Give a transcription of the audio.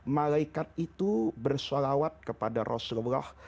malaikat itu bersalawat kepada rasulullah